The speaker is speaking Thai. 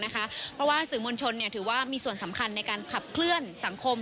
เพราะว่าสื่อมวลชนถือว่ามีส่วนสำคัญในการขับเคลื่อนสังคม